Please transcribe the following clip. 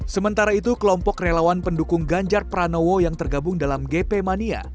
sementara itu kelompok relawan pendukung ganjar pranowo yang tergabung dalam gp mania